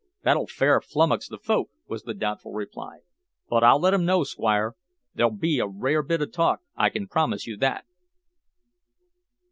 "That'll fair flummox the folk," was the doubtful reply, "but I'll let 'em know, Squire. There'll be a rare bit of talk, I can promise you that."